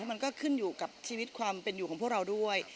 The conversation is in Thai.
มันก็ขึ้นอยู่กับชีวิตความเป็นอยู่ของพวกเราด้วย